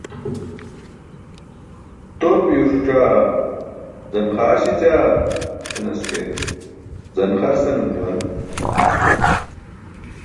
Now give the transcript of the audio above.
Turpiyo suc̣aa? Zan-xaar śećaa? Senas ke, zan-xar senum juwan.